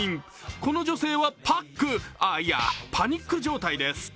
この女性はパックいや、パニック状態です。